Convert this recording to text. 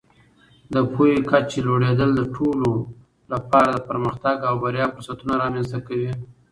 د پوهې کچه لوړېدل د ټولو لپاره د پرمختګ او بریا فرصتونه رامینځته کوي.